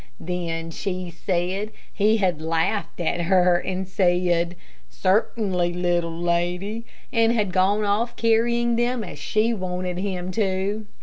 Then she said he had laughed at her, and said, "Certainly, little lady," and had gone off carrying them as she wanted him to.